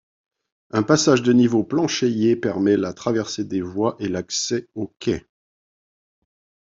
Un passage de niveau planchéié permet la traversée des voies et l'accès aux quais.